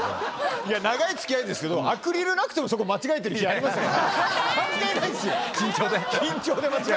いや、長いつきあいですけど、アクリルなくても、そこ、間違えてるときありますからね。